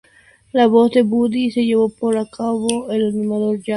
La voz de Buddy se llevó a cabo por el animador Jack Carr.